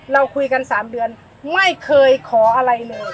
เราคุยกัน๓เดือนไม่เคยขออะไรเลย